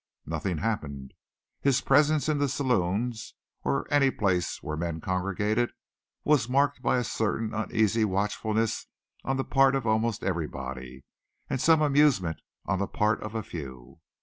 Nothing happened. His presence in the saloons or any place where men congregated was marked by a certain uneasy watchfulness on the part of almost everybody, and some amusement on the part of a few.